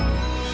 gak mau nyak